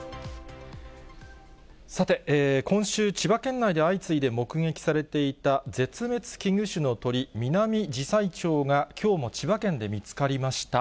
さて、今週、千葉県内で相次いで目撃されていた絶滅危惧種の鳥、ミナミジサイチョウが、きょうも千葉県で見つかりました。